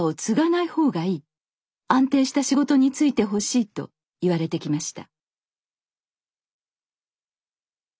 安定した仕事に就いてほしい」と言われてきました